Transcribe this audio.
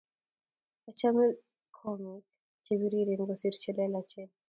achame komek chebiriren kosir chelelechen